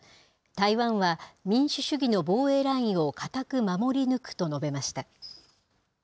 台湾は民主主義の防衛ラインを堅く守り抜くと述べました。